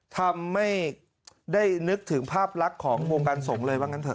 ทำให้ได้นึกถึงภาพลักษณ์ของวงการสงฆ์เลยว่างั้นเถ